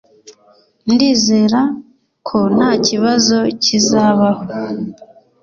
Ndizera ko ntakibazo kizabaho